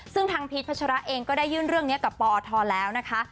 ซึ่งทางพีชพัชระเองก็ได้ยื่นเรื่องนี้กับปอทแล้วนะคะ